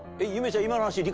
今の話。